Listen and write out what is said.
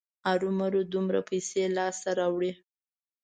ارومرو دومره پیسې لاسته راوړي.